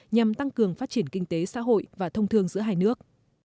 nhằm tăng cường phát triển kinh tế xã hội và thông thường giữa hai nước